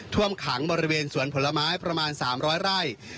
ท่วมขังบริเวณสวนผลไม้ประมาณ๓๐๐ไร่